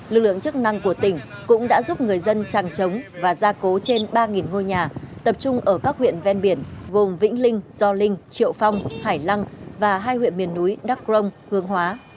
lực lượng chức năng của tỉnh cũng đã giúp người dân tràng trống và gia cố trên ba ngôi nhà tập trung ở các huyện ven biển gồm vĩnh linh gio linh triệu phong hải lăng và hai huyện miền núi đắc rông hướng hóa